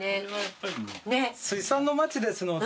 水産の町ですので。